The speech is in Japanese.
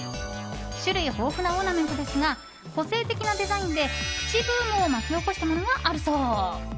種類豊富なオーナメントですが個性的なデザインでプチブームを巻き起こしたものがあるそう。